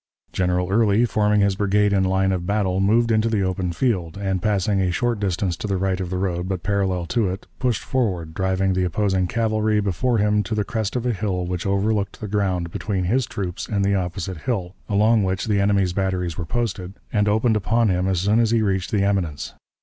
General Early, forming his brigade in line of battle, moved into the open field, and, passing a short distance to the right of the road but parallel to it, pushed forward, driving the opposing cavalry before him to the crest of a hill which overlooked the ground between his troops and the opposite hill, along which the enemy's batteries were posted, and opened upon him as soon as he reached the eminence.